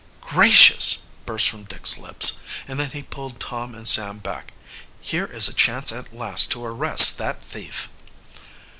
"Gracious!" burst from Dick's lips, and then he pulled Tom and Sam back. "Here is a chance at last to arrest that thief!"